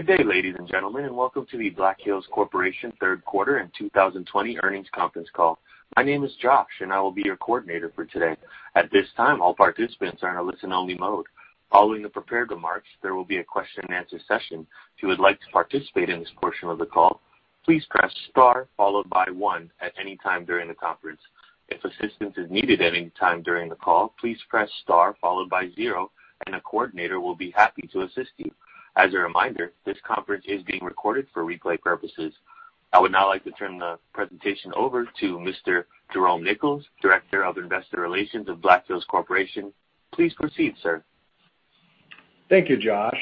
Good day, ladies and gentlemen, and welcome to the Black Hills Corporation third quarter in 2020 earnings conference call. My name is Josh, and I will be your coordinator for today. At this time, all participants are in a listen-only mode. Following the prepared remarks, there will be a question-and-answer session. If you would like to participate in this portion of the call, please press star followed by one at any time during the conference. If assistance is needed at any time during the call, please press star followed by zero, and a coordinator will be happy to assist you. As a reminder, this conference is being recorded for replay purposes. I would now like to turn the presentation over to Mr. Jerome Nichols, Director of Investor Relations of Black Hills Corporation. Please proceed, sir. Thank you, Josh.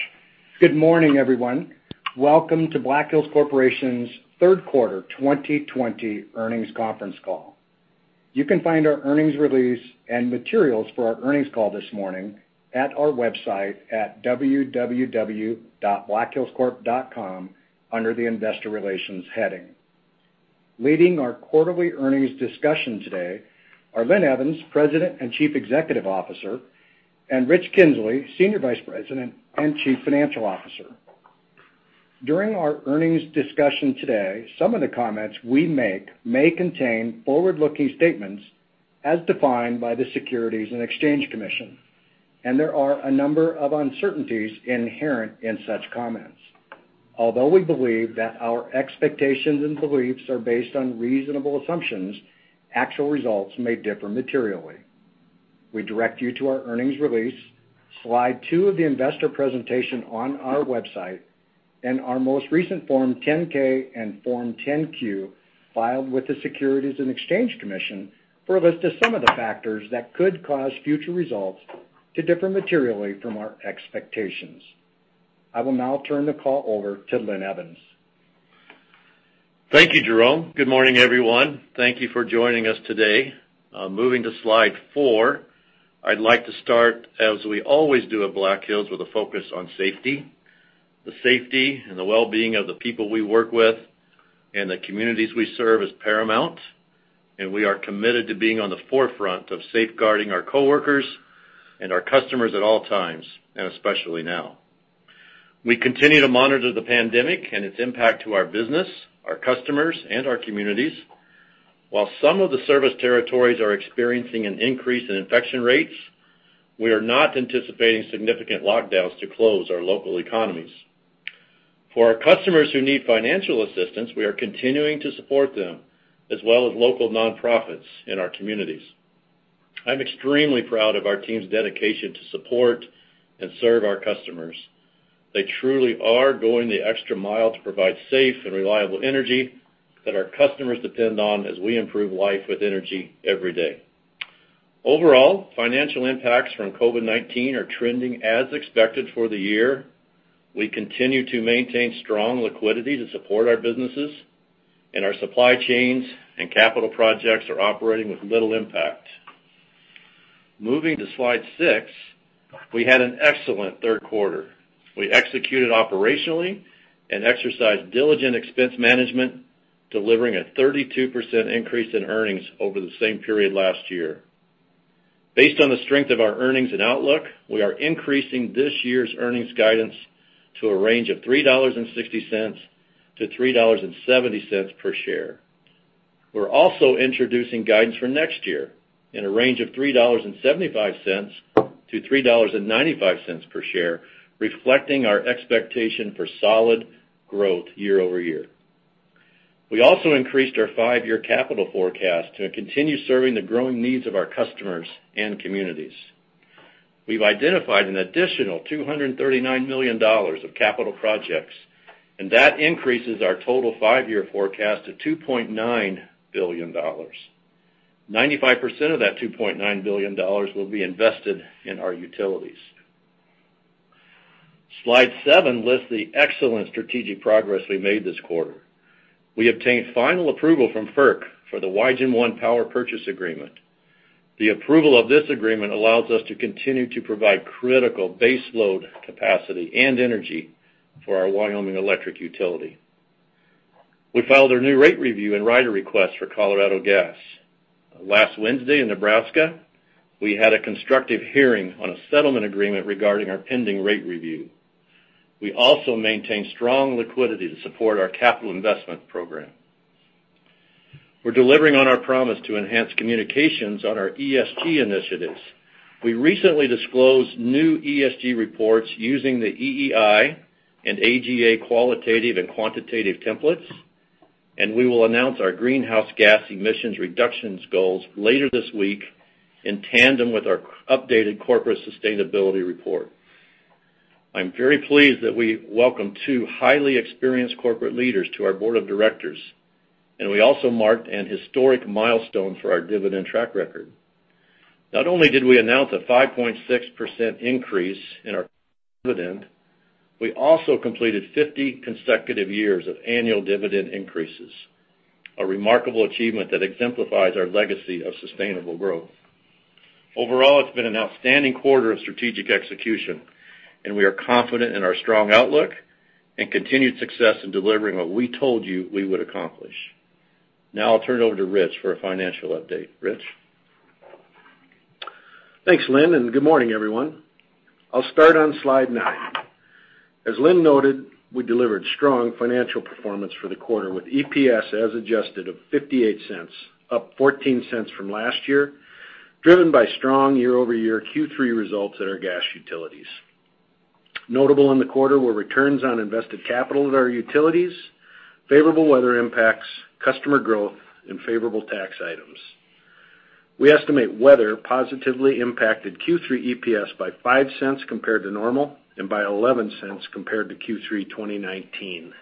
Good morning, everyone. Welcome to Black Hills Corporation's third quarter 2020 earnings conference call. You can find our earnings release and materials for our earnings call this morning at our website at www.blackhillscorp.com under the Investor Relations heading. Leading our quarterly earnings discussion today are Linn Evans, President and Chief Executive Officer, and Rich Kinzley, Senior Vice President and Chief Financial Officer. During our earnings discussion today, some of the comments we make may contain forward-looking statements as defined by the Securities and Exchange Commission, and there are a number of uncertainties inherent in such comments. Although we believe that our expectations and beliefs are based on reasonable assumptions, actual results may differ materially. We direct you to our earnings release, slide two of the investor presentation on our website, and our most recent Form 10-K and Form 10-Q filed with the Securities and Exchange Commission for a list of some of the factors that could cause future results to differ materially from our expectations. I will now turn the call over to Linn Evans. Thank you, Jerome. Good morning, everyone. Thank you for joining us today. Moving to slide four, I'd like to start, as we always do at Black Hills, with a focus on safety. The safety and the well-being of the people we work with and the communities we serve is paramount, and we are committed to being on the forefront of safeguarding our coworkers and our customers at all times, and especially now. We continue to monitor the pandemic and its impact to our business, our customers, and our communities. While some of the service territories are experiencing an increase in infection rates, we are not anticipating significant lockdowns to close our local economies. For our customers who need financial assistance, we are continuing to support them, as well as local nonprofits in our communities. I'm extremely proud of our team's dedication to support and serve our customers. They truly are going the extra mile to provide safe and reliable energy that our customers depend on as we improve life with energy every day. Overall, financial impacts from COVID-19 are trending as expected for the year. We continue to maintain strong liquidity to support our businesses, and our supply chains and capital projects are operating with little impact. Moving to slide six, we had an excellent third quarter. We executed operationally and exercised diligent expense management, delivering a 32% increase in earnings over the same period last year. Based on the strength of our earnings and outlook, we are increasing this year's earnings guidance to a range of $3.60-$3.70 per share. We're also introducing guidance for next year in a range of $3.75-$3.95 per share, reflecting our expectation for solid growth year-over-year. We also increased our five-year capital forecast to continue serving the growing needs of our customers and communities. We've identified an additional $239 million of capital projects, that increases our total five-year forecast to $2.9 billion. 95% of that $2.9 billion will be invested in our utilities. Slide seven lists the excellent strategic progress we made this quarter. We obtained final approval from FERC for the Wygen I power purchase agreement. The approval of this agreement allows us to continue to provide critical base load capacity and energy for our Wyoming electric utility. We filed our new rate review and rider request for Colorado Gas. Last Wednesday in Nebraska, we had a constructive hearing on a settlement agreement regarding our pending rate review. We also maintain strong liquidity to support our capital investment program. We're delivering on our promise to enhance communications on our ESG initiatives. We recently disclosed new ESG reports using the EEI and AGA qualitative and quantitative templates. We will announce our greenhouse gas emissions reductions goals later this week in tandem with our updated corporate sustainability report. I'm very pleased that we welcome two highly experienced corporate leaders to our board of directors. We also marked an historic milestone for our dividend track record. Not only did we announce a 5.6% increase in our dividend, we also completed 50 consecutive years of annual dividend increases, a remarkable achievement that exemplifies our legacy of sustainable growth. Overall, it's been an outstanding quarter of strategic execution. We are confident in our strong outlook and continued success in delivering what we told you we would accomplish. Now I'll turn it over to Rich for a financial update. Rich? Thanks, Linn, good morning, everyone. I'll start on slide nine. As Linn noted, we delivered strong financial performance for the quarter, with EPS as adjusted of $0.58, up $0.14 from last year, driven by strong year-over-year Q3 results at our gas utilities. Notable in the quarter were returns on invested capital at our utilities, favorable weather impacts, customer growth, and favorable tax items. We estimate weather positively impacted Q3 EPS by $0.05 compared to normal, and by $0.11 compared to Q3 2019.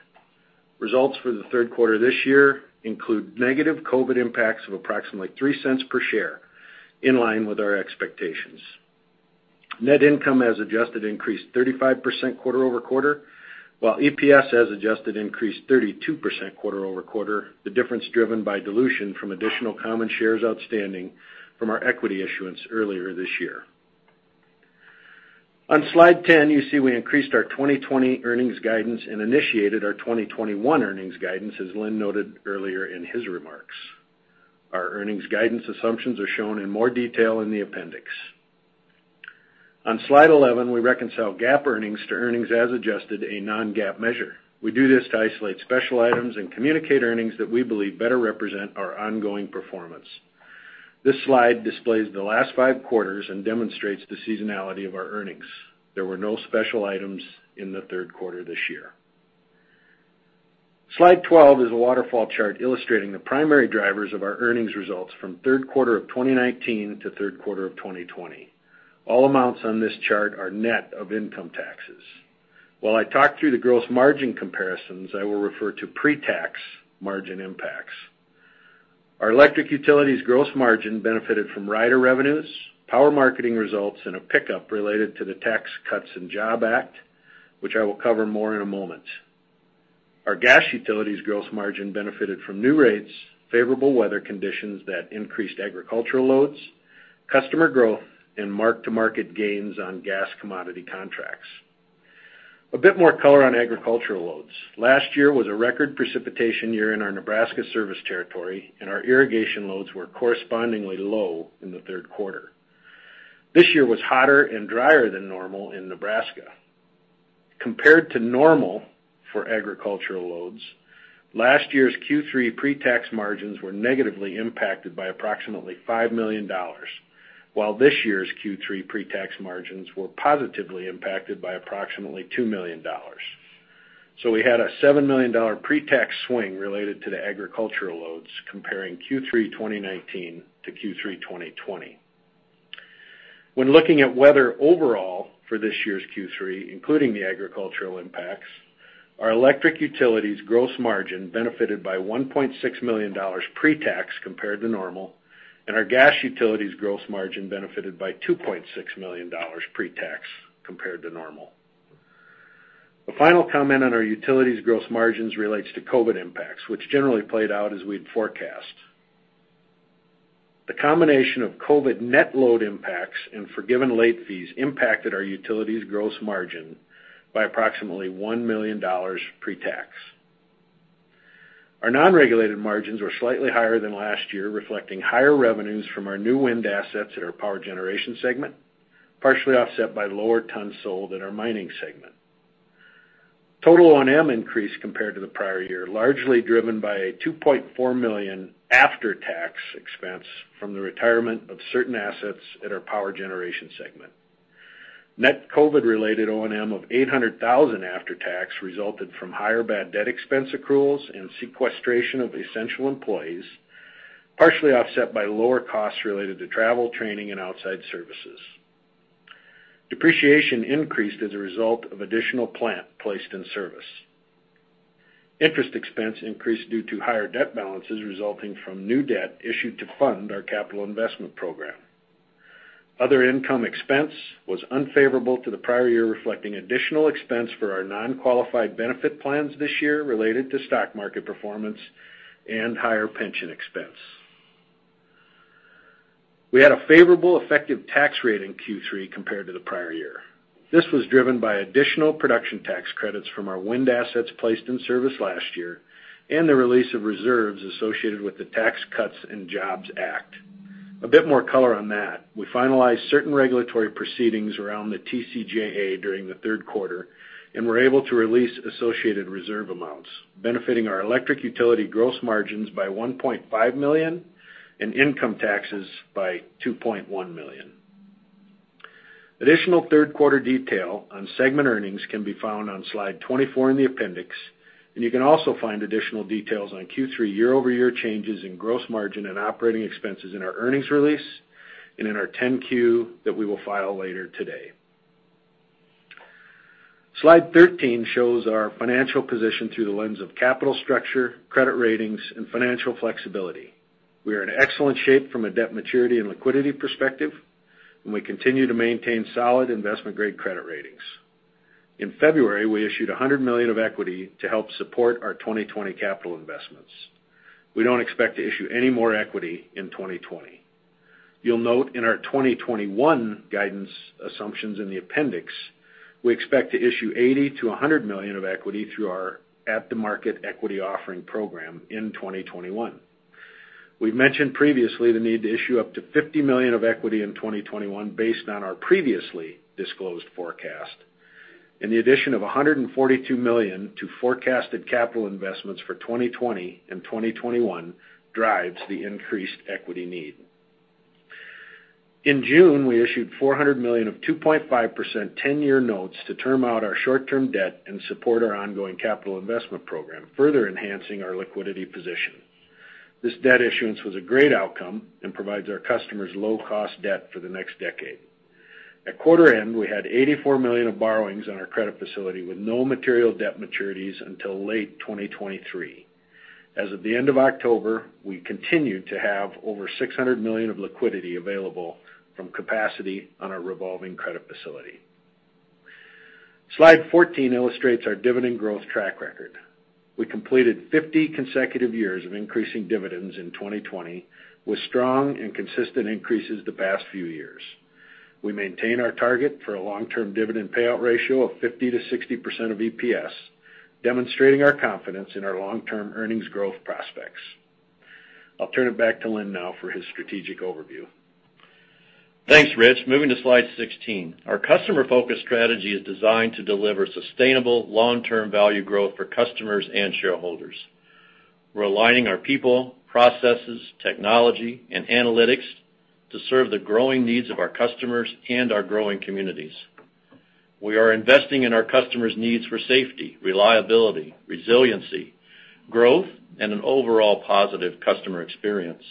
Results for the third quarter this year include negative COVID impacts of approximately $0.03 per share, in line with our expectations. Net income, as adjusted, increased 35% quarter-over-quarter, while EPS, as adjusted, increased 32% quarter-over-quarter, the difference driven by dilution from additional common shares outstanding from our equity issuance earlier this year. On slide 10, you see we increased our 2020 earnings guidance and initiated our 2021 earnings guidance, as Linn noted earlier in his remarks. Our earnings guidance assumptions are shown in more detail in the appendix. On slide 11, we reconcile GAAP earnings to earnings as adjusted, a non-GAAP measure. We do this to isolate special items and communicate earnings that we believe better represent our ongoing performance. This slide displays the last five quarters and demonstrates the seasonality of our earnings. There were no special items in the third quarter this year. Slide 12 is a waterfall chart illustrating the primary drivers of our earnings results from third quarter of 2019 to third quarter of 2020. All amounts on this chart are net of income taxes. While I talk through the gross margin comparisons, I will refer to pre-tax margin impacts. Our electric utilities gross margin benefited from rider revenues, power marketing results, and a pickup related to the Tax Cuts and Jobs Act, which I will cover more in a moment. Our gas utilities gross margin benefited from new rates, favorable weather conditions that increased agricultural loads, customer growth, and mark-to-market gains on gas commodity contracts. A bit more color on agricultural loads. Last year was a record precipitation year in our Nebraska service territory, and our irrigation loads were correspondingly low in the third quarter. This year was hotter and drier than normal in Nebraska. Compared to normal for agricultural loads, last year's Q3 pre-tax margins were negatively impacted by approximately $5 million, while this year's Q3 pre-tax margins were positively impacted by approximately $2 million. We had a $7 million pre-tax swing related to the agricultural loads comparing Q3 2019 to Q3 2020. When looking at weather overall for this year's Q3, including the agricultural impacts, our electric utilities' gross margin benefited by $1.6 million pre-tax compared to normal, and our gas utilities' gross margin benefited by $2.6 million pre-tax compared to normal. The final comment on our utilities' gross margins relates to COVID impacts, which generally played out as we'd forecast. The combination of COVID net load impacts and forgiven late fees impacted our utilities' gross margin by approximately $1 million pre-tax. Our non-regulated margins were slightly higher than last year, reflecting higher revenues from our new wind assets at our power generation segment, partially offset by lower tons sold at our mining segment. Total O&M increased compared to the prior year, largely driven by a $2.4 million after-tax expense from the retirement of certain assets at our power generation segment. Net COVID-related O&M of $800,000 after-tax resulted from higher bad debt expense accruals and sequestration of essential employees, partially offset by lower costs related to travel, training, and outside services. Depreciation increased as a result of additional plant placed in service. Interest expense increased due to higher debt balances resulting from new debt issued to fund our capital investment program. Other income expense was unfavorable to the prior year, reflecting additional expense for our non-qualified benefit plans this year related to stock market performance and higher pension expense. We had a favorable effective tax rate in Q3 compared to the prior year. This was driven by additional production tax credits from our wind assets placed in service last year and the release of reserves associated with the Tax Cuts and Jobs Act. A bit more color on that. We finalized certain regulatory proceedings around the TCJA during the third quarter and were able to release associated reserve amounts, benefiting our electric utility gross margins by $1.5 million and income taxes by $2.1 million. Additional third quarter detail on segment earnings can be found on slide 24 on the appendix. You can also find additional details on Q3 year-over-year changes in gross margin and operating expenses in our earnings release and in our 10-Q that we will file later today. Slide 13 shows our financial position through the lens of capital structure, credit ratings, and financial flexibility. We are in excellent shape from a debt maturity and liquidity perspective. We continue to maintain solid investment-grade credit ratings. In February, we issued $100 million of equity to help support our 2020 capital investments. We don't expect to issue any more equity in 2020. You'll note in our 2021 guidance assumptions in the appendix. We expect to issue $80 million to $100 million of equity through our at-the-market equity offering program in 2021. We've mentioned previously the need to issue up to $50 million of equity in 2021 based on our previously disclosed forecast. In the addition of $142 million to forecasted capital investments for 2020 and 2021 drives the increased equity need. In June, we issued $400 million of 2.5% 10-year notes to term out our short-term debt and support our ongoing capital investment program, further enhancing our liquidity position. This debt issuance was a great outcome and provides our customers low-cost debt for the next decade. At quarter end, we had $84 million of borrowings on our credit facility with no material debt maturities until late 2023. As of the end of October, we continued to have over $600 million of liquidity available from capacity on our revolving credit facility. Slide 14 illustrates our dividend growth track record. We completed 50 consecutive years of increasing dividends in 2020, with strong and consistent increases the past few years. We maintain our target for a long-term dividend payout ratio of 50%-60% of EPS, demonstrating our confidence in our long-term earnings growth prospects. I'll turn it back to Linn now for his strategic overview. Thanks, Rich. Moving to slide 16. Our customer-focused strategy is designed to deliver sustainable long-term value growth for customers and shareholders. We're aligning our people, processes, technology, and analytics to serve the growing needs of our customers and our growing communities. We are investing in our customers' needs for safety, reliability, resiliency, growth, and an overall positive customer experience.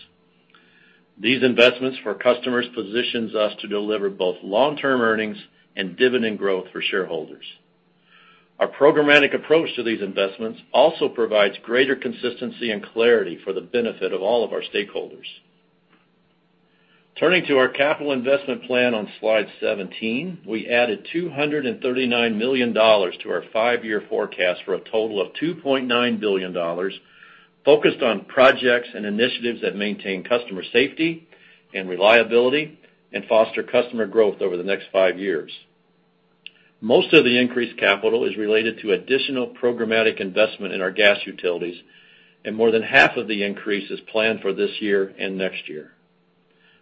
These investments for customers positions us to deliver both long-term earnings and dividend growth for shareholders. Our programmatic approach to these investments also provides greater consistency and clarity for the benefit of all of our stakeholders. Turning to our capital investment plan on Slide 17, we added $239 million to our five-year forecast for a total of $2.9 billion, focused on projects and initiatives that maintain customer safety and reliability and foster customer growth over the next five years. Most of the increased capital is related to additional programmatic investment in our gas utilities, and more than half of the increase is planned for this year and next year.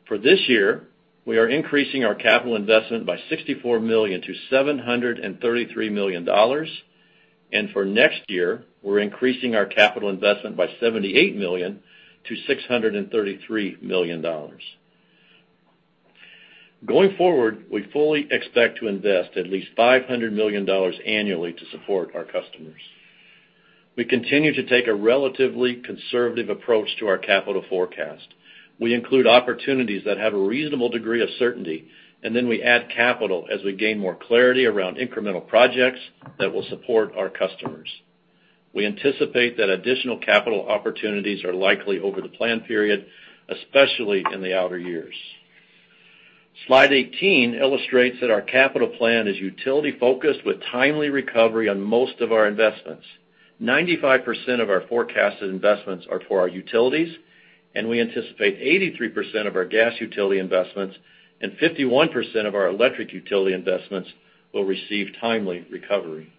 For this year, we are increasing our capital investment by $64 million to $733 million. For next year, we're increasing our capital investment by $78 million to $633 million. Going forward, we fully expect to invest at least $500 million annually to support our customers. We continue to take a relatively conservative approach to our capital forecast. We include opportunities that have a reasonable degree of certainty, and then we add capital as we gain more clarity around incremental projects that will support our customers. We anticipate that additional capital opportunities are likely over the plan period, especially in the outer years. Slide 18 illustrates that our capital plan is utility-focused with timely recovery on most of our investments. 95% of our forecasted investments are for our utilities, and we anticipate 83% of our gas utility investments and 51% of our electric utility investments will receive timely recovery.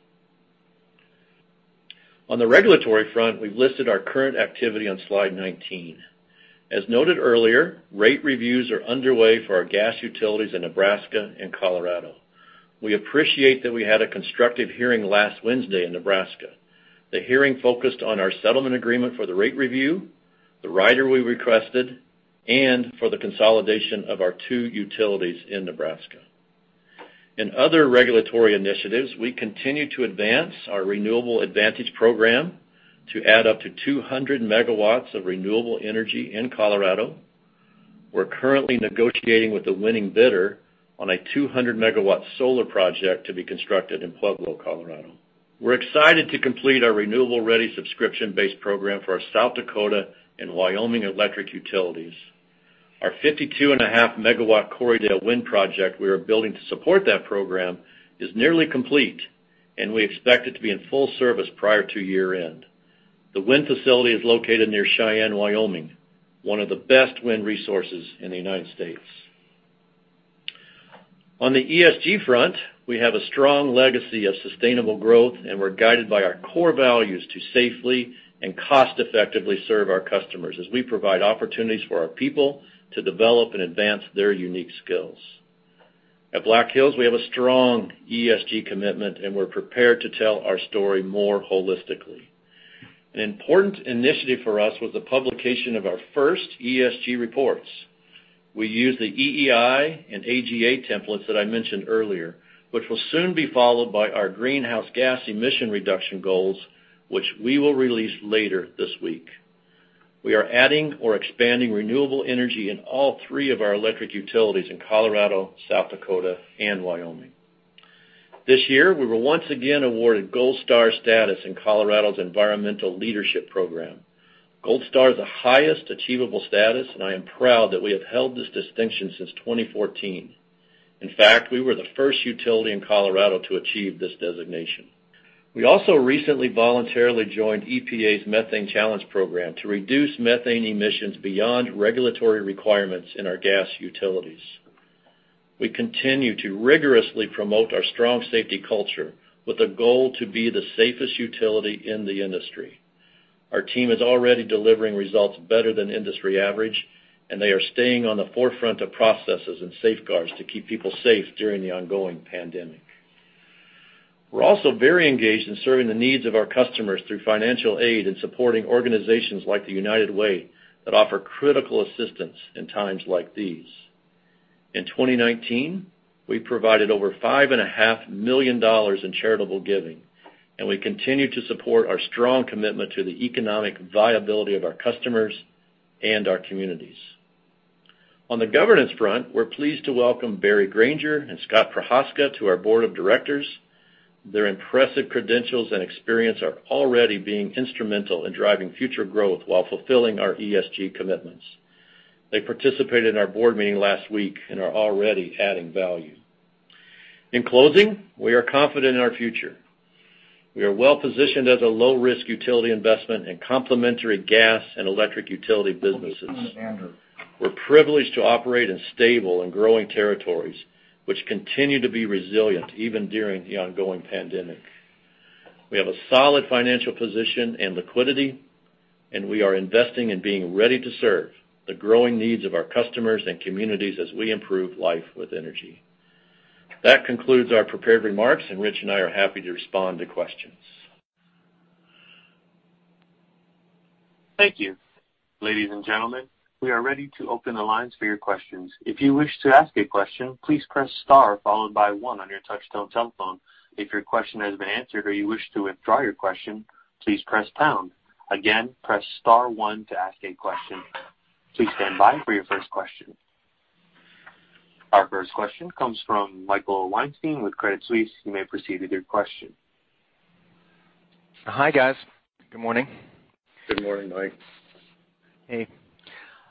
On the regulatory front, we've listed our current activity on Slide 19. As noted earlier, rate reviews are underway for our gas utilities in Nebraska and Colorado. We appreciate that we had a constructive hearing last Wednesday in Nebraska. The hearing focused on our settlement agreement for the rate review, the rider we requested, and for the consolidation of our two utilities in Nebraska. In other regulatory initiatives, we continue to advance our Renewable Advantage program to add up to 200 MW of renewable energy in Colorado. We're currently negotiating with the winning bidder on a 200-MW solar project to be constructed in Pueblo, Colorado. We're excited to complete our renewable-ready subscription-based program for our South Dakota and Wyoming electric utilities. Our 52.5-MW Corriedale Wind project we are building to support that program is nearly complete. We expect it to be in full service prior to year-end. The wind facility is located near Cheyenne, Wyoming, one of the best wind resources in the United States. On the ESG front, we have a strong legacy of sustainable growth. We're guided by our core values to safely and cost-effectively serve our customers as we provide opportunities for our people to develop and advance their unique skills. At Black Hills, we have a strong ESG commitment. We're prepared to tell our story more holistically. An important initiative for us was the publication of our first ESG reports. We use the EEI and AGA templates that I mentioned earlier, which will soon be followed by our greenhouse gas emission reduction goals, which we will release later this week. We are adding or expanding renewable energy in all three of our electric utilities in Colorado, South Dakota, and Wyoming. This year, we were once again awarded Gold Star status in Colorado's Environmental Leadership Program. Gold Star is the highest achievable status, and I am proud that we have held this distinction since 2014. In fact, we were the first utility in Colorado to achieve this designation. We also recently voluntarily joined EPA's Methane Challenge program to reduce methane emissions beyond regulatory requirements in our gas utilities. We continue to rigorously promote our strong safety culture with a goal to be the safest utility in the industry. Our team is already delivering results better than industry average, and they are staying on the forefront of processes and safeguards to keep people safe during the ongoing pandemic. We're also very engaged in serving the needs of our customers through financial aid and supporting organizations like the United Way that offer critical assistance in times like these. In 2019, we provided over $5.5 million in charitable giving. We continue to support our strong commitment to the economic viability of our customers and our communities. On the governance front, we're pleased to welcome Barry Granger and Scott Prochazka to our board of directors. Their impressive credentials and experience are already being instrumental in driving future growth while fulfilling our ESG commitments. They participated in our board meeting last week. They are already adding value. In closing, we are confident in our future. We are well-positioned as a low-risk utility investment and complementary gas and electric utility businesses. We're privileged to operate in stable and growing territories, which continue to be resilient even during the ongoing pandemic. We have a solid financial position and liquidity. We are investing in being ready to serve the growing needs of our customers and communities as we improve life with energy. That concludes our prepared remarks. Rich and I are happy to respond to questions. Thank you. Ladies and gentlemen, we are ready to open the lines for your questions. If you wish to ask a question, please press star followed by one on your touchtone telephone. If your question has been answered or you wish to withdraw your question, please press pound. Again, press star one to ask a question. Please stand by for your first question. Our first question comes from Michael Weinstein with Credit Suisse. You may proceed with your question. Hi, guys. Good morning. Good morning, Mike. Hey.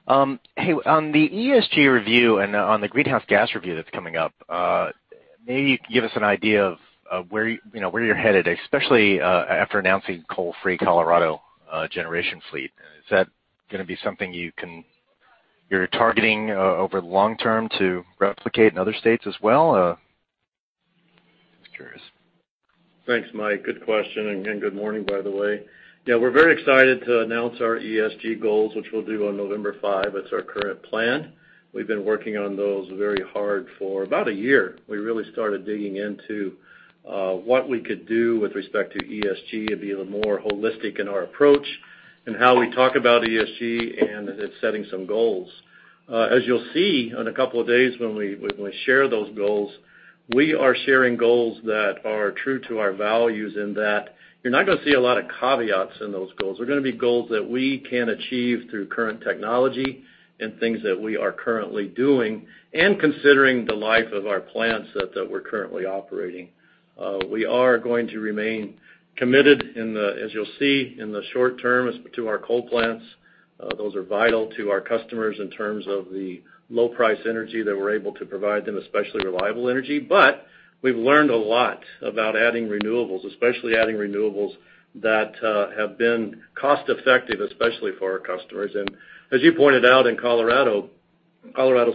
On the ESG review and on the greenhouse gas review that's coming up, may you give us an idea of where you're headed, especially after announcing coal-free Colorado generation fleet? Is that going to be something you're targeting over the long-term to replicate in other states as well? Just curious. Thanks, Mike. Good question. Good morning, by the way. We're very excited to announce our ESG goals, which we'll do on November 5. That's our current plan. We've been working on those very hard for about a year. We really started digging into what we could do with respect to ESG and being more holistic in our approach and how we talk about ESG and setting some goals. As you'll see in a couple of days when we share those goals, we are sharing goals that are true to our values in that you're not going to see a lot of caveats in those goals. They're going to be goals that we can achieve through current technology and things that we are currently doing and considering the life of our plants that we're currently operating. We are going to remain committed, as you'll see in the short-term to our coal plants. Those are vital to our customers in terms of the low-price energy that we're able to provide them, especially reliable energy. We've learned a lot about adding renewables, especially adding renewables that have been cost-effective, especially for our customers. As you pointed out in Colorado's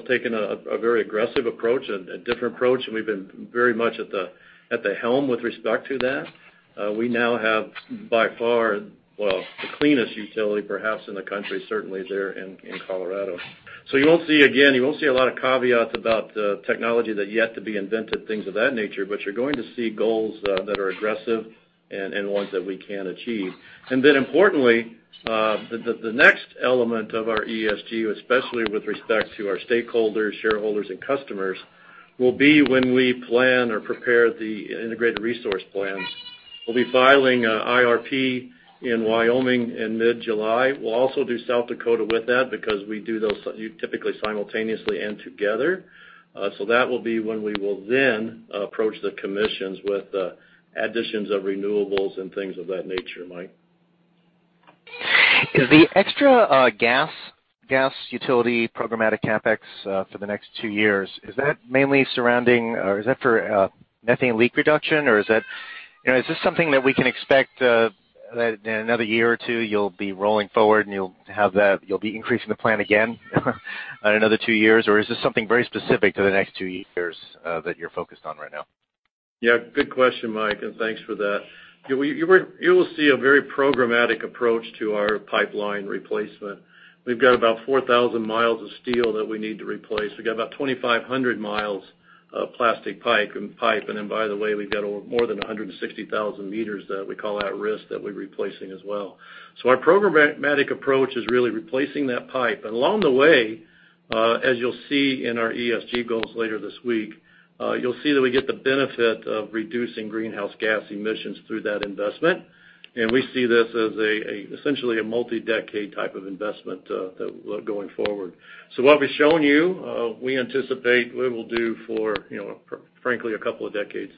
taken a very aggressive approach and a different approach, and we've been very much at the helm with respect to that. We now have by far the cleanest utility, perhaps in the country, certainly there in Colorado. You won't see, again, a lot of caveats about the technology that are yet to be invented, things of that nature, but you're going to see goals that are aggressive and ones that we can achieve. Importantly, the next element of our ESG, especially with respect to our stakeholders, shareholders, and customers, will be when we plan or prepare the integrated resource plans. We'll be filing an IRP in Wyoming in mid-July. We'll also do South Dakota with that because we do those typically simultaneously and together. That will be when we will then approach the commissions with additions of renewables and things of that nature, Mike. Is the extra gas utility programmatic CapEx for the next two years, is that mainly surrounding or is that for methane leak reduction? Is this something that we can expect that in another year or two you'll be rolling forward, and you'll be increasing the plan again in another two years? Is this something very specific to the next two years that you're focused on right now? Yeah, good question, Mike. Thanks for that. You will see a very programmatic approach to our pipeline replacement. We've got about 4,000 mi of steel that we need to replace. We got about 2,500 mi of plastic pipe. By the way, we've got more than 160,000 meters that we call at-risk that we're replacing as well. Our programmatic approach is really replacing that pipe. Along the way, as you'll see in our ESG goals later this week, you'll see that we get the benefit of reducing greenhouse gas emissions through that investment. We see this as essentially a multi-decade type of investment going forward. What we've shown you, we anticipate we will do for frankly, a couple of decades.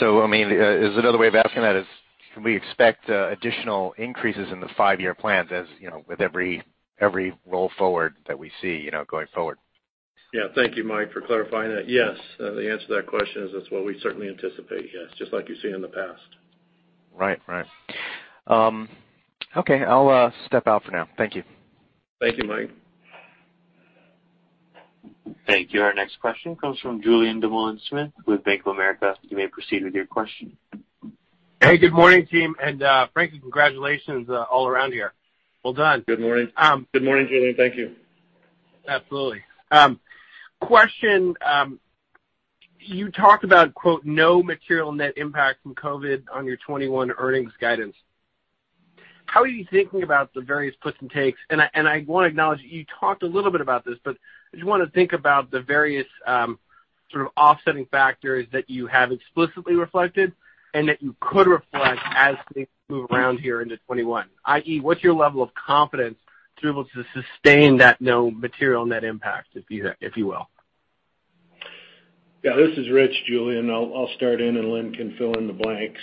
Is another way of asking that is, can we expect additional increases in the five-year plan with every roll forward that we see going forward? Yeah. Thank you, Mike, for clarifying that. Yes, the answer to that question is that's what we certainly anticipate, yes, just like you see in the past. Right. Okay, I'll step out for now. Thank you. Thank you, Mike. Thank you. Our next question comes from Julien Dumoulin-Smith with Bank of America. You may proceed with your question. Hey, good morning, team. Frankly, congratulations all around here. Well done. Good morning. Good morning, Julien. Thank you. Absolutely. Question, you talked about, quote, "no material net impact from COVID-19 on your 2021 earnings guidance." How are you thinking about the various puts and takes? I want to acknowledge that you talked a little bit about this, but I just want to think about the various sort of offsetting factors that you have explicitly reflected and that you could reflect as things move around here into 2021, i.e., what's your level of confidence to be able to sustain that no material net impact, if you will? This is Rich, Julien. I'll start in, and Linn can fill in the blanks.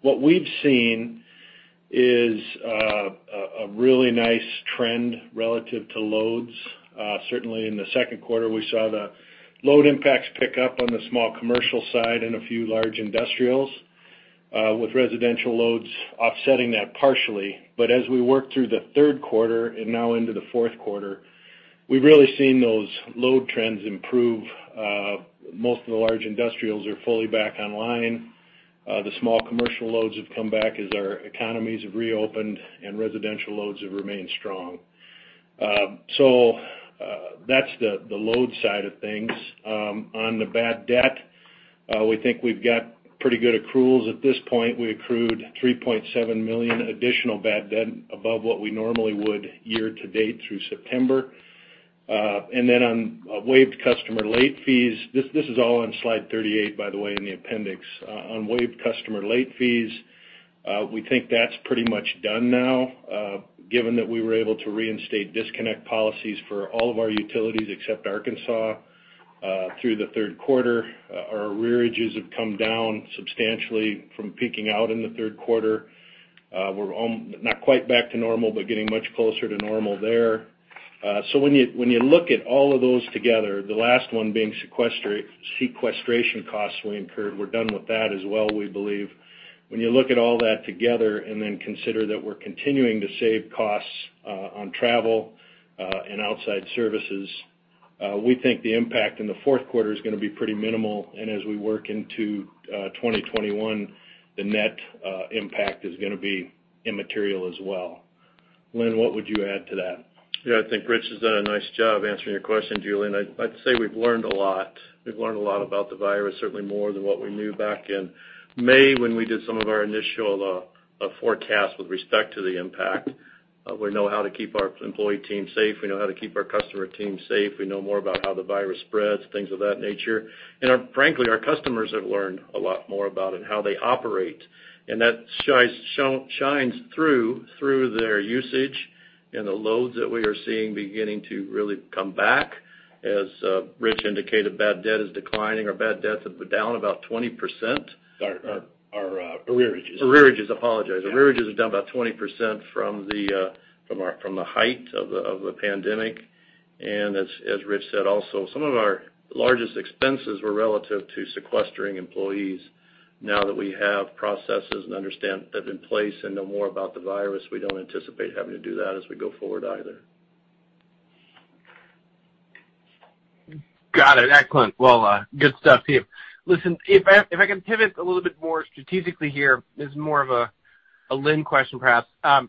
What we've seen is a really nice trend relative to loads. Certainly in the second quarter, we saw the load impacts pick up on the small commercial side and a few large industrials, with residential loads offsetting that partially. As we work through the third quarter and now into the fourth quarter, we've really seen those load trends improve. Most of the large industrials are fully back online. The small commercial loads have come back as our economies have reopened, and residential loads have remained strong. That's the load side of things. On the bad debt, we think we've got pretty good accruals. At this point, we accrued $3.7 million additional bad debt above what we normally would year-to-date through September. On waived customer late fees, this is all on slide 38, by the way, in the appendix. On waived customer late fees, we think that's pretty much done now, given that we were able to reinstate disconnect policies for all of our utilities except Arkansas through the third quarter. Our arrearages have come down substantially from peaking out in the third quarter. We're not quite back to normal, but getting much closer to normal there. When you look at all of those together, the last one being sequestration costs we incurred, we're done with that as well, we believe. When you look at all that together and then consider that we're continuing to save costs on travel and outside services, we think the impact in the fourth quarter is going to be pretty minimal, and as we work into 2021, the net impact is going to be immaterial as well. Linn, what would you add to that? Yeah. I think Rich has done a nice job answering your question, Julien. I'd say we've learned a lot. We've learned a lot about the virus, certainly more than what we knew back in May when we did some of our initial forecasts with respect to the impact. We know how to keep our employee team safe. We know how to keep our customer team safe. We know more about how the virus spreads, things of that nature. Frankly, our customers have learned a lot more about it, and how they operate, and that shines through their usage and the loads that we are seeing beginning to really come back. As Rich indicated, bad debt is declining. Our bad debts are down about 20%. Sorry. Arrearages. Arrearages. Apologize. Yeah. Arrearages are down about 20% from the height of the pandemic. As Rich said also, some of our largest expenses were relative to sequestering employees. Now that we have processes and understand they've been placed and know more about the virus, we don't anticipate having to do that as we go forward either. Got it. Excellent. Well, good stuff here. Listen, if I can pivot a little bit more strategically here, this is more of a Linn question, perhaps. How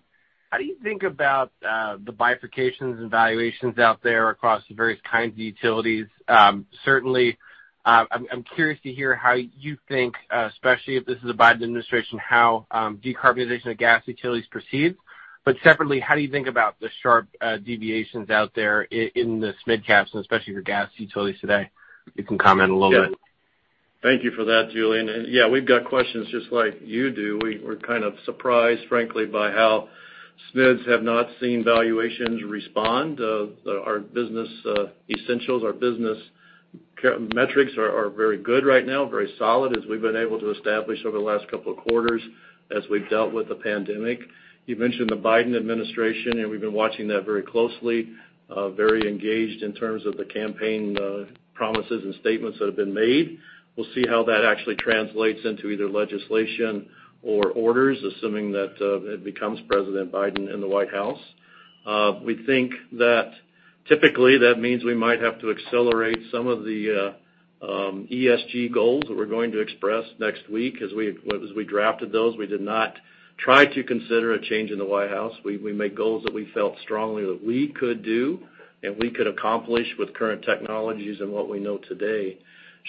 do you think about the bifurcations and valuations out there across the various kinds of utilities? I'm curious to hear how you think, especially if this is a Biden administration, how decarbonization of gas utilities proceeds. Separately, how do you think about the sharp deviations out there in the SMID caps and especially for gas utilities today? If you can comment a little bit. Yeah. Thank you for that, Julien. Yeah, we've got questions just like you do. We were kind of surprised, frankly, by how SMID have not seen valuations respond. Our business essentials, our business metrics are very good right now, very solid, as we've been able to establish over the last couple of quarters as we've dealt with the pandemic. You mentioned the Biden administration, we've been watching that very closely, very engaged in terms of the campaign promises and statements that have been made. We'll see how that actually translates into either legislation or orders, assuming that it becomes President Biden in the White House. We think that typically that means we might have to accelerate some of the ESG goals that we're going to express next week. As we drafted those, we did not try to consider a change in the White House. We made goals that we felt strongly that we could do and we could accomplish with current technologies and what we know today.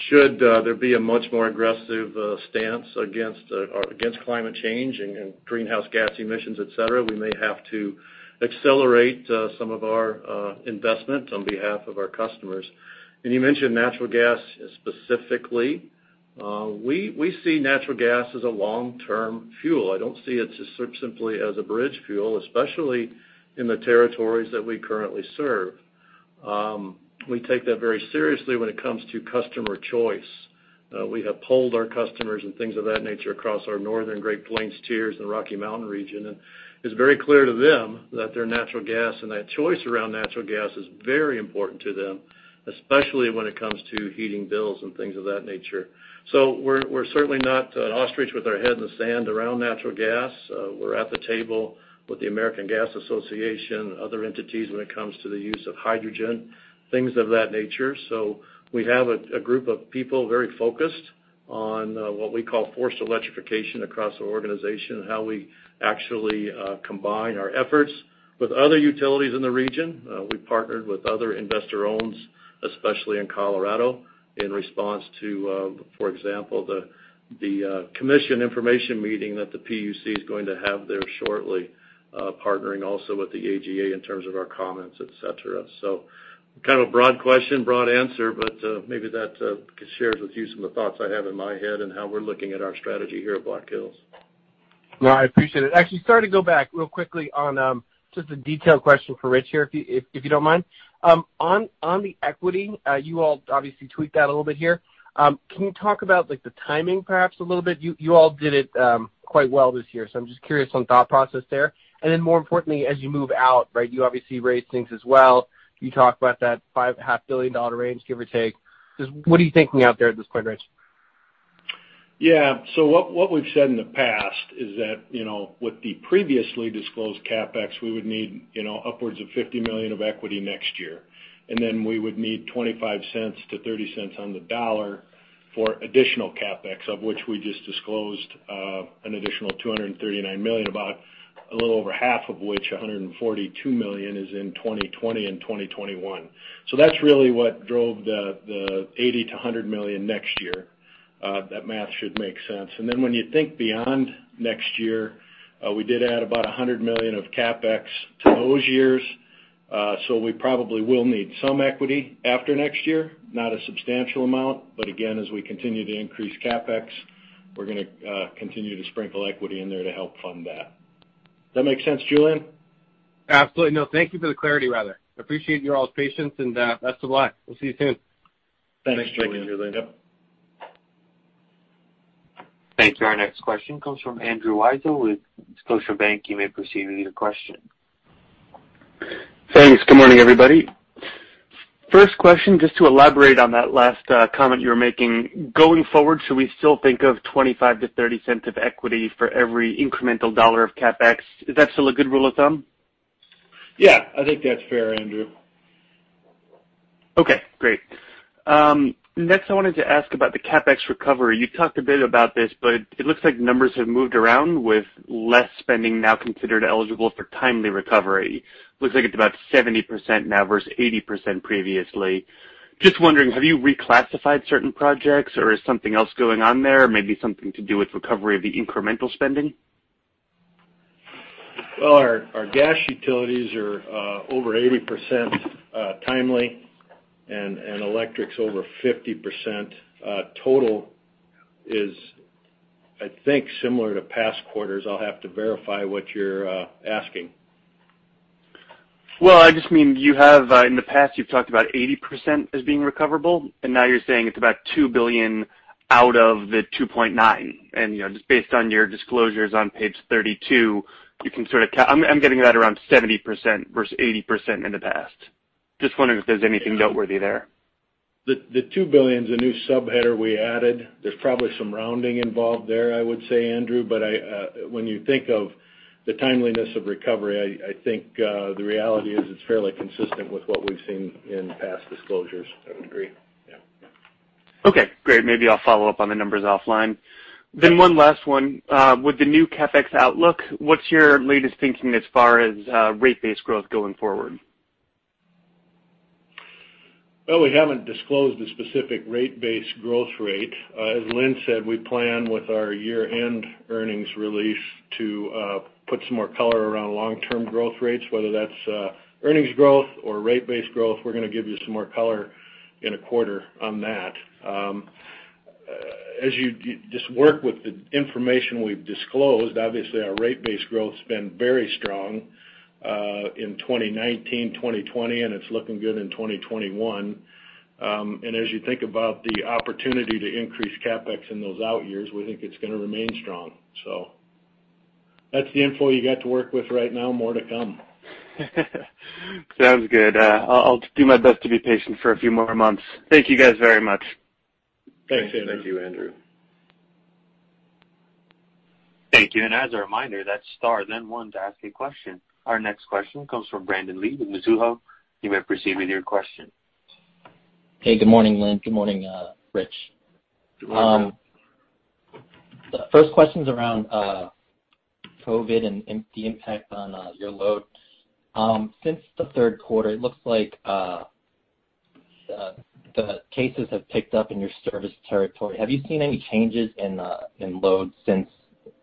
Should there be a much more aggressive stance against climate change and greenhouse gas emissions, et cetera, we may have to accelerate some of our investment on behalf of our customers. You mentioned natural gas specifically. We see natural gas as a long-term fuel. I don't see it simply as a bridge fuel, especially in the territories that we currently serve. We take that very seriously when it comes to customer choice. We have polled our customers and things of that nature across our Northern Great Plains tiers in the Rocky Mountain region, and it's very clear to them that their natural gas and that choice around natural gas is very important to them, especially when it comes to heating bills and things of that nature. We're certainly not an ostrich with our head in the sand around natural gas. We're at the table with the American Gas Association, other entities when it comes to the use of hydrogen, things of that nature. We have a group of people very focused on what we call forced electrification across our organization, and how we actually combine our efforts with other utilities in the region. We partnered with other investor-owns, especially in Colorado, in response to, for example, the commission information meeting that the PUC is going to have there shortly, partnering also with the AGA in terms of our comments, et cetera. Kind of a broad question, broad answer, but maybe that shares with you some of the thoughts I have in my head and how we're looking at our strategy here at Black Hills. No, I appreciate it. Actually, sorry to go back real quickly on just a detailed question for Rich here, if you don't mind. On the equity, you all obviously tweaked that a little bit here. Can you talk about the timing perhaps a little bit? I'm just curious on thought process there. More importantly, as you move out, you obviously raised things as well. Can you talk about that $500 billion range, give or take? Just what are you thinking out there at this point, Rich? What we've said in the past is that, with the previously disclosed CapEx, we would need upwards of $50 million of equity next year. We would need $0.25-$0.30 on the dollar for additional CapEx, of which we just disclosed an additional $239 million, about a little over half of which, $142 million, is in 2020 and 2021. That's really what drove the $80 million-$100 million next year. That math should make sense. When you think beyond next year, we did add about $100 million of CapEx to those years. We probably will need some equity after next year, not a substantial amount, again, as we continue to increase CapEx, we're going to continue to sprinkle equity in there to help fund that. Does that make sense, Julien? Absolutely. No, thank you for the clarity, rather. I appreciate your all's patience, and best of luck. We'll see you soon. Thanks, Julien. Thank you. Our next question comes from Andrew Weisel with Scotiabank. You may proceed with your question. Thanks. Good morning, everybody. First question, just to elaborate on that last comment you were making. Going forward, should we still think of $0.25-$0.30 of equity for every incremental dollar of CapEx? Is that still a good rule of thumb? Yeah, I think that's fair, Andrew. Okay, great. I wanted to ask about the CapEx recovery. You talked a bit about this, it looks like numbers have moved around with less spending now considered eligible for timely recovery. Looks like it's about 70% now versus 80% previously. Just wondering, have you reclassified certain projects, or is something else going on there? Maybe something to do with recovery of the incremental spending? Well, our gas utilities are over 80% timely. Electric's over 50%. Total is, I think, similar to past quarters. I'll have to verify what you're asking. Well, I just mean in the past, you've talked about 80% as being recoverable, and now you're saying it's about $2 billion out of the $2.9. Just based on your disclosures on page 32, you can sort of count. I'm getting that around 70% versus 80% in the past. Just wondering if there's anything noteworthy there. The $2 billion is a new subheader we added. There's probably some rounding involved there, I would say, Andrew. When you think of the timeliness of recovery, I think the reality is it's fairly consistent with what we've seen in past disclosures. I would agree. Yeah. Okay, great. Maybe I'll follow up on the numbers offline. One last one. With the new CapEx outlook, what's your latest thinking as far as rate base growth going forward? Well, we haven't disclosed a specific rate base growth rate. As Linn said, we plan with our year-end earnings release to put some more color around long-term growth rates, whether that's earnings growth or rate base growth. We're going to give you some more color in a quarter on that. As you just work with the information we've disclosed, obviously our rate base growth's been very strong, in 2019, 2020, and it's looking good in 2021. As you think about the opportunity to increase CapEx in those out years, we think it's going to remain strong. That's the info you got to work with right now. More to come. Sounds good. I'll do my best to be patient for a few more months. Thank you guys very much. Thanks, Andrew. Thank you, Andrew. Thank you. As a reminder, that's star then one to ask a question. Our next question comes from Brandon Lee with Mizuho. You may proceed with your question. Hey, good morning, Linn. Good morning, Rich. Good morning. The first question's around COVID and the impact on your load. Since the third quarter, it looks like the cases have picked up in your service territory. Have you seen any changes in load since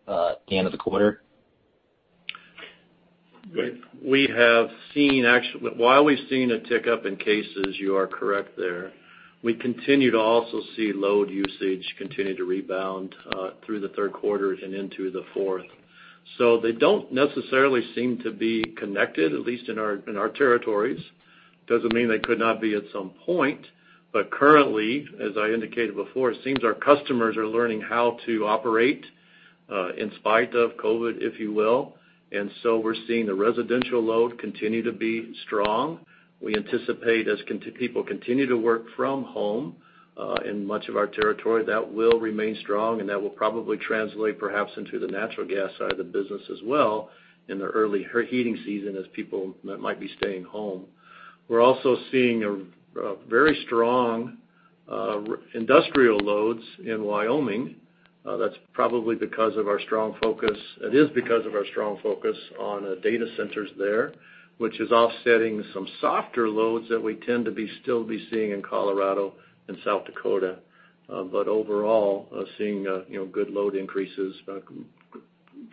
the end of the quarter? While we've seen a tick-up in cases, you are correct there, we continue to also see load usage continue to rebound through the third quarter and into the fourth. They don't necessarily seem to be connected, at least in our territories. Doesn't mean they could not be at some point. Currently, as I indicated before, it seems our customers are learning how to operate In spite of COVID-19, if you will. We're seeing the residential load continue to be strong. We anticipate as people continue to work from home in much of our territory, that will remain strong, and that will probably translate perhaps into the natural gas side of the business as well in the early heating season as people might be staying home. We're also seeing very strong industrial loads in Wyoming. It is because of our strong focus on data centers there, which is offsetting some softer loads that we tend to still be seeing in Colorado and South Dakota. Overall, seeing good load increases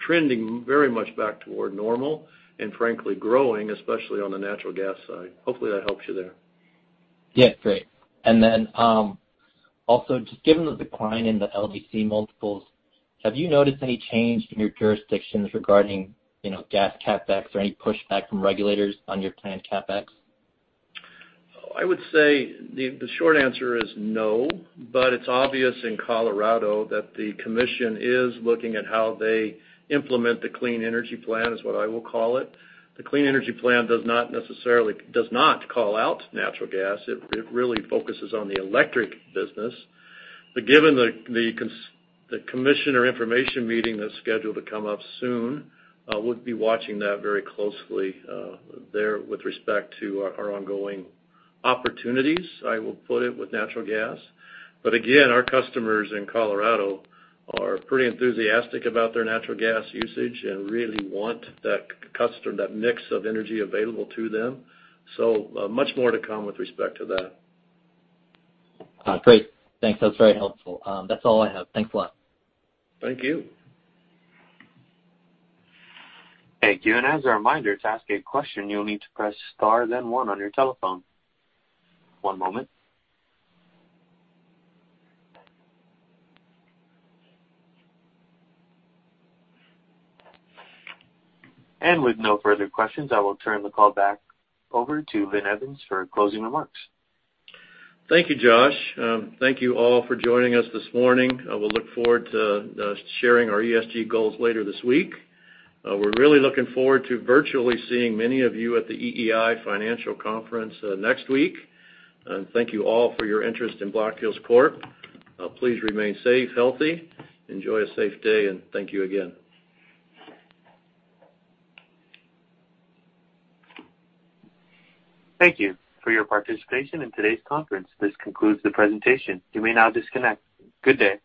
trending very much back toward normal and frankly growing, especially on the natural gas side. Hopefully that helps you there. Yeah, great. Also, just given the decline in the LDC multiples, have you noticed any change in your jurisdictions regarding gas CapEx or any pushback from regulators on your planned CapEx? I would say the short answer is no, but it's obvious in Colorado that the commission is looking at how they implement the clean energy plan, is what I will call it. The clean energy plan does not call out natural gas. It really focuses on the electric business. Given the commissioner information meeting that's scheduled to come up soon, we'll be watching that very closely there with respect to our ongoing opportunities, I will put it, with natural gas. Again, our customers in Colorado are pretty enthusiastic about their natural gas usage and really want that mix of energy available to them. Much more to come with respect to that. Great. Thanks. That's very helpful. That's all I have. Thanks a lot. Thank you. Thank you. As a reminder, to ask a question, you'll need to press star then one on your telephone. One moment. With no further questions, I will turn the call back over to Linn Evans for closing remarks. Thank you, Josh. Thank you all for joining us this morning. I will look forward to sharing our ESG goals later this week. We're really looking forward to virtually seeing many of you at the EEI Financial Conference next week. Thank you all for your interest in Black Hills Corp. Please remain safe, healthy, enjoy a safe day, and thank you again. Thank you for your participation in today's conference. This concludes the presentation. You may now disconnect. Good day.